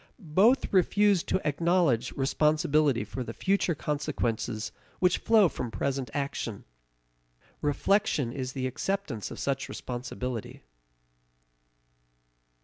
Both refuse to acknowledge responsibility for the future consequences which flow from present action. Reflection is the acceptance of such responsibility.